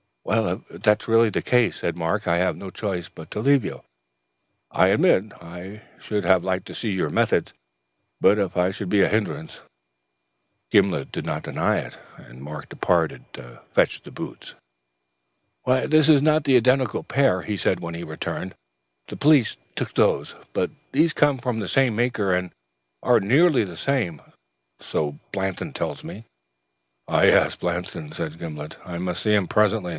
"If that is really the case," said Mark, "I have no choice but to leave you. I admit I should have liked to see your methods, but if I should be a hindrance " Gimblet did not deny it, and Mark departed to fetch the boots. "This is not the identical pair," he said when he returned. "The police took those; but these come from the same maker and are nearly the same, so Blanston tells me." "Ah, yes, Blanston," said Gimblet. "I must see him presently.